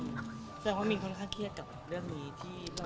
แสดงว่ามินค่อนข้างเครียดกับเรื่องนี้ที่